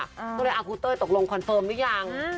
ก็เลยครูเต้ยตกลงคอนเฟิร์มหรือยัง